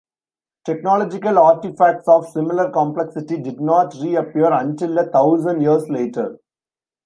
Technological artifacts of similar complexity did not reappear until a thousand years later.